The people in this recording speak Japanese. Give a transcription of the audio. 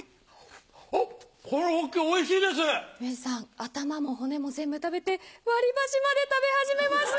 頭も骨も全部食べて割り箸まで食べ始めました！